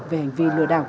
về hành vi lừa đảo